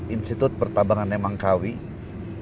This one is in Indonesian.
institut pertabangan yang mengkawal